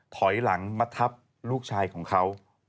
ถอยหลังมาทับลูกชายของเขา